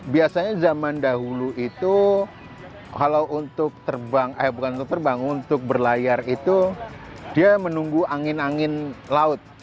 biasanya zaman dahulu itu kalau untuk terbang eh bukan untuk terbang untuk berlayar itu dia menunggu angin angin laut